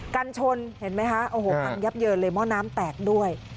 กันชนเห็นไหมคะโอ้โหพังยับเยินเลยหม้อน้ำแตกด้วย